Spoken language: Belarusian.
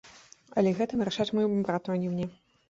Але гэта вырашаць майму брату, а не мне.